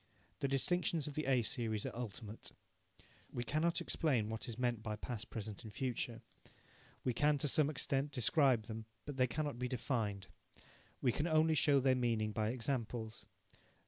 The distinctions of the A series are ultimate. We cannot explain what is meant by past, present and future. We can, to some extent, describe them, but they cannot be defined. We can only show their meaning by examples.